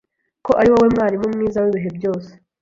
ko ari wowe mwarimu mwiza w’ibihe byose